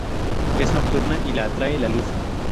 Es nocturna y la atrae la luz.